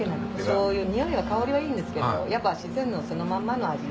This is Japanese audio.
しょうゆ匂いや香りはいいんですけどやっぱ自然のそのままの味。